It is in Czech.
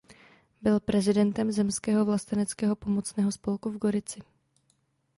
Byl prezidentem zemského vlasteneckého pomocného spolku v Gorici.